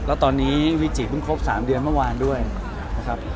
แล้วตอนนี้วิจิเพิ่งครบ๓เดือนเมื่อวานด้วยนะครับ